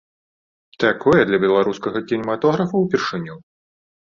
Такое для беларускага кінематографа ўпершыню.